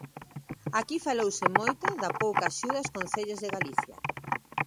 Aquí falouse moito da pouca axuda aos concellos de Galicia.